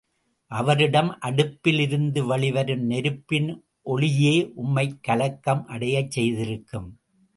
அவரிடம், அடுப்பிலிருந்து வெளி வரும் நெருப்பின் ஒளியே உம்மைக் கலக்கம் அடையச் செய்திருக்கும்.